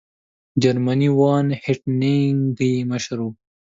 جرمنی وان هینټیګ یې مشر وو.